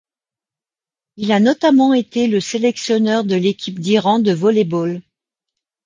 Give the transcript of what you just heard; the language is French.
Il a notamment été le sélectionneur de l'équipe d'Iran de volley-ball.